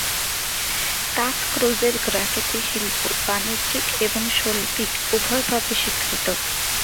তাত ক্রুজের গ্রাফিতি শিল্প বাণিজ্যিক এবং শৈল্পিক উভয়ভাবে স্বীকৃত।